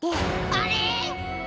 あれ？